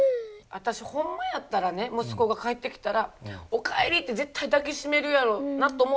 私ホンマやったらね息子が帰ってきたら「お帰り！」って絶対抱き締めるやろうなと思ったの。